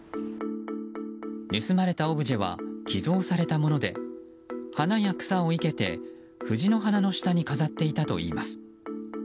盗まれたオブジェは寄贈されたもので花や草を生けて、フジの花の下に飾っていたといいます。